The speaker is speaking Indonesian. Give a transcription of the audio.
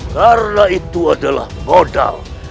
karena itu adalah modal